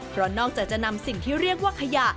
เพราะนอกจากจะนำสิ่งที่เรียกว่าขยะ